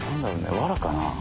わらかな？